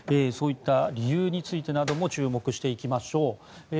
そういった理由についてなども注目していきましょう。